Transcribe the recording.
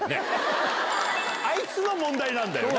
あいつが問題なんだよな。